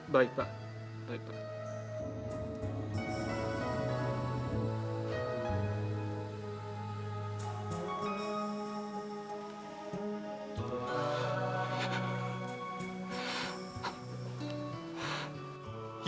baik pak baik pak